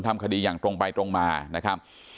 ทำคดีอย่างตรงไปตรงมานะครับ